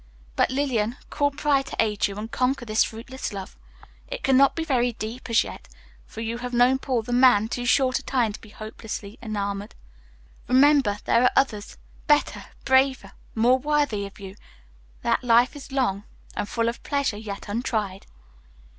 But, Lillian, call pride to aid you, and conquer this fruitless love. It cannot be very deep as yet, for you have known Paul, the man, too short a time to be hopelessly enamored. Remember, there are others, better, braver, more worthy of you; that life is long, and full of pleasure yet untried."